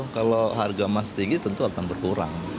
kalau harga emas tinggi tentu akan berkurang